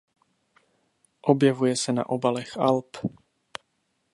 Objevuje se na obalech alb.